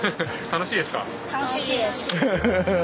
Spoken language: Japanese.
楽しいです！